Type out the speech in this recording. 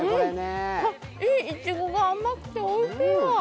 いちごが甘くておいしいわ。